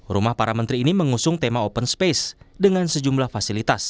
rumah para menteri ini mengusung tema open space dengan sejumlah fasilitas